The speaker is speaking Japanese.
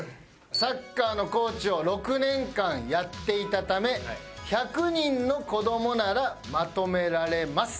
「サッカーのコーチを６年間やっていたため１００人の子どもならまとめられます」。